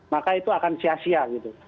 maka itu akan sia sia gitu